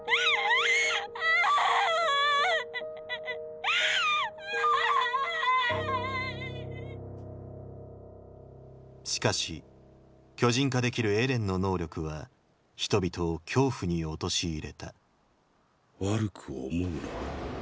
あぁぁ！しかし巨人化できるエレンの能力は人々を恐怖に陥れた悪く思うな。